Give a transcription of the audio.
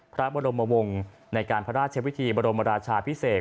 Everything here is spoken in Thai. พระบรมวงศ์ในการพระราชวิธีบรมราชาพิเศษ